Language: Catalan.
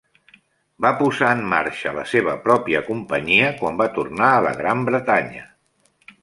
Va posar en marxa la seva pròpia companyia quan va tornar a la Gran Bretanya.